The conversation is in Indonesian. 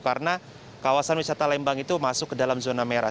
karena kawasan wisata lembang itu masuk ke dalam zona merah